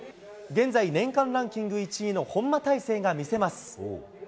現在、年間ランキング１位の本間大晴が見せます。